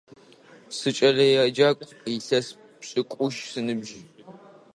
Сыкӏэлэеджакӏу, илъэс пшӏыкӏущ сыныбжь.